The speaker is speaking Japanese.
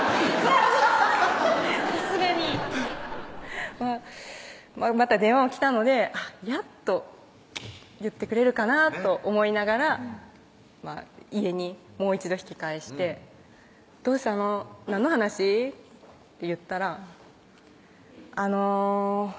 さすがにまた電話が来たのでやっと言ってくれるかなと思いながら家にもう一度引き返して「どうしたの？何の話？」って言ったら「あの」